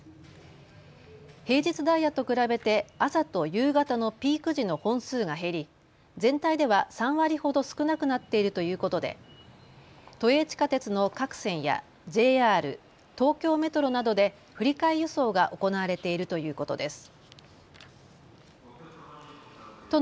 平日ダイヤと比べて朝と夕方のピーク時の本数が減り全体では３割ほど少なくなっているということで都営地下鉄の各線やＪＲ、東京メトロなどで振り替え輸送が行われているということです。